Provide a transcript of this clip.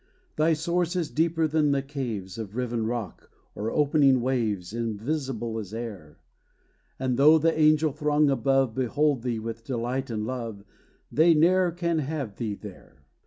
Thy source is deeper than the caves Of riven rock, or opening waves, Invisible as air: And, though the angel throng above Behold thee with delight and love, They ne'er can have thee there.